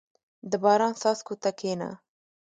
• د باران څاڅکو ته کښېنه.